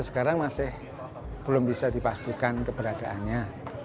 sekarang masih belum bisa dipastikan keberadaannya